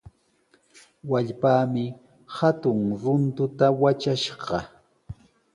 Wallpaami hatun runtuta watrashqa.